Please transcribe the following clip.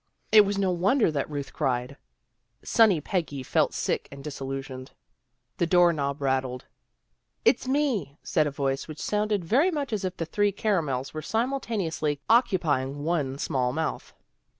It was no wonder that Ruth cried. Sunny Peggy felt sick and disillusioned. RUTH IS PERPLEXED 157 The door knob rattled. "It's me!" said a voice, which sounded very much as if the three caramels were simultaneously occupying one small mouth.